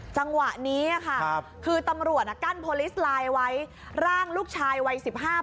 จังหวะนี้ค่ะคือตำรวจอ่ะกั้นโพลิสไลน์ไว้ร่างลูกชายวัยสิบห้า